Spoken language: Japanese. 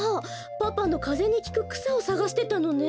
パパのかぜにきくくさをさがしてたのね。